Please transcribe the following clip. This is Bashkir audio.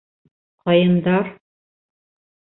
Ҡайындар.